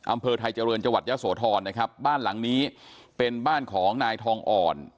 อำเภอไทยเจริญจังหวัดยะโสธรนะครับบ้านหลังนี้เป็นบ้านของนายทองอ่อน